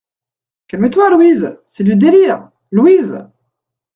Calme-toi, Louise !… c'est du délire ! LOUISE.